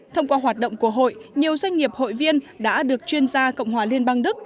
thông qua hoạt động của hội nhiều doanh nghiệp hội viên đã được chuyên gia cộng hòa liên bang đức